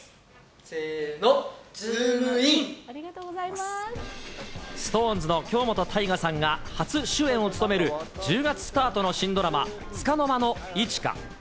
せーの！ＳｉｘＴＯＮＥＳの京本大我さんが初主演を務める１０月スタートの新ドラマ、束の間の一花。